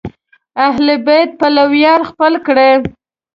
اهل بیت پلویان خپل کړي